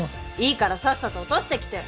いいからさっさと落としてきて。